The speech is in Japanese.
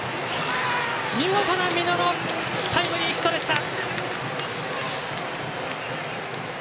見事な美濃のタイムリーヒットでした！